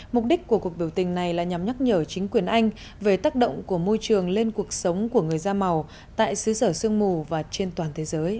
mục đích của cuộc biểu tình này là nhằm nhắc nhở chính quyền anh về tác động của môi trường lên cuộc sống của người việt nam